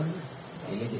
ini bisa terjaga mudah mudahan